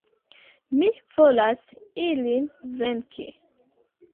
Mi volas ilin venki.